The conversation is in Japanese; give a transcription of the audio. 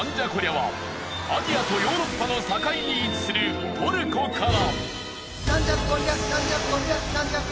はアジアとヨーロッパの境に位置するトルコから。